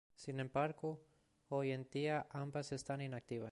Sin embargo, hoy en día ambas están inactivas.